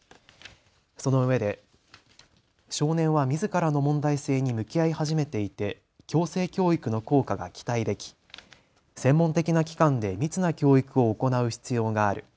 そのうえで少年はみずからの問題性に向き合い始めていて矯正教育の効果が期待でき専門的な機関で密な教育を行う必要がある。